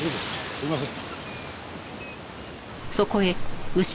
すいません。